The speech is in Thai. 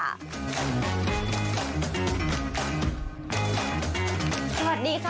คุณผู้ชมมาเที่ยวชุมชนกุดีจีน